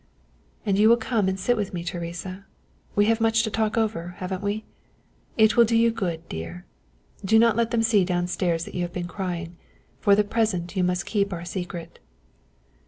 "And you will come and sit with me, Teresa we have much to talk over, haven't we? It will do you good, dear. Do not let them see down stairs that you have been crying. For the present you must keep our secret."